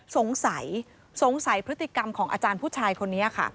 สงสัยสงสัยพฤติกรรมของอาจารย์ผู้ชายคนนี้ค่ะ